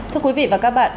thưa quý vị và các bạn